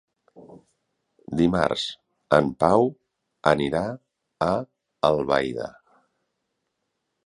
Dimarts en Pau anirà a Albaida.